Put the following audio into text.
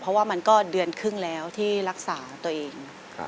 เพราะว่ามันก็เดือนครึ่งแล้วที่รักษาตัวเอง